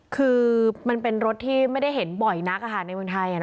คือมันเป็นรถที่ไม่ได้เห็นบ่อยนักในเมืองไทย